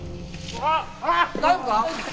あっ大丈夫か？